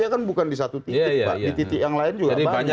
dia kan bukan di satu titik pak di titik yang lain juga banyak